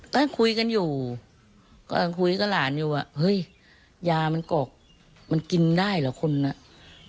นั่งคุยกันอยู่ก็คุยกับหลานอยู่ว่าเฮ้ยยามันกรอกมันกินได้เหรอคนน่ะ